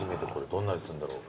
どんな味するんだろう？